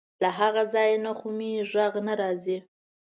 له هغه ځای نه خو مې غږ نه راځي.